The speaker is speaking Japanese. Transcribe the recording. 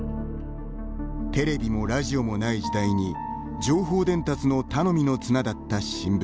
テレビもラジオもない時代に情報伝達の頼みの綱だった新聞。